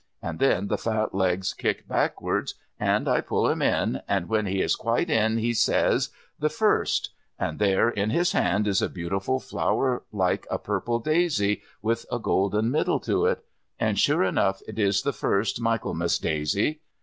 And then the fat legs kick backwards, and I pull him in, and when he is quite in he says, "The first," and there in his hand is a beautiful flower like a purple daisy with a golden middle to it. And sure enough it is the first Michaelmas daisy.